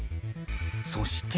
そして。